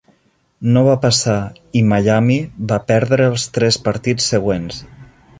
No va passar, i Miami va perdre els tres partits següents.